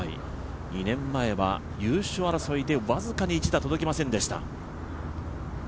２年前は優勝争いで僅かに１打届きませんでした。